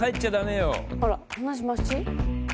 あら同じ町？